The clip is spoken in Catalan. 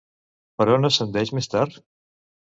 Per on ascendeix més tard?